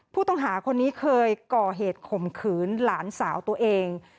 ผู้ต้องหาคนนี้เคยก่อเหตุข่มขืนหลานสาวตัวเอง